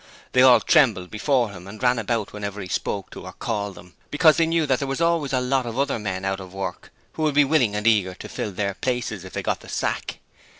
They all trembled before him and ran about whenever he spoke to or called them, because they knew that there were always a lot of other men out of work who would be willing and eager to fill their places if they got the sack.